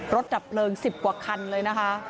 ดับเพลิง๑๐กว่าคันเลยนะคะ